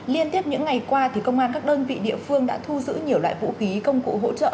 liên tiếp những ngày qua công an các đơn vị địa phương đã thu giữ nhiều loại vũ khí công cụ hỗ trợ